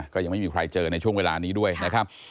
ก็ยังไม่มีใครเจอในช่วงเวลานี้ด้วยนะครับ